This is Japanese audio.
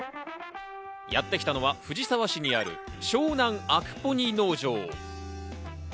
やってきたのは藤沢市にある、湘南アクポニ農場。